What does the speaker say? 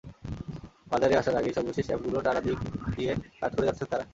বাজারে আসার আগেই সর্বশেষ অ্যাপগুলোর নানা দিক নিয়ে কাজ করে যাচ্ছেন তাঁরা।